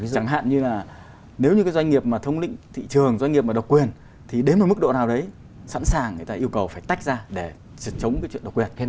chẳng hạn như là nếu như cái doanh nghiệp mà thông lĩnh thị trường doanh nghiệp mà độc quyền thì đến một mức độ nào đấy sẵn sàng người ta yêu cầu phải tách ra để chống cái chuyện độc quyền